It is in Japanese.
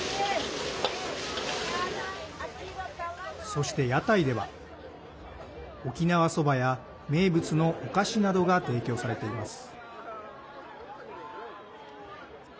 そして屋台では沖縄そばや、名物のお菓子などが提供されています。